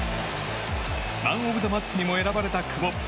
マン・オブ・ザ・マッチにも選ばれた久保。